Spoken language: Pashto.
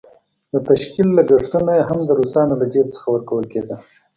د تشکيل لګښتونه یې هم د روسانو له جېب څخه ورکول کېدل.